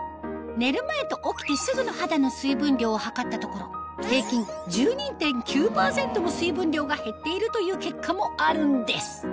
寝る前と起きてすぐの肌の水分量を測ったところ平均１２．９％も水分量が減っているという結果もあるんです